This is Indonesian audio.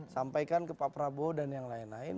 sampaikan ke pak prabowo dan yang lain lain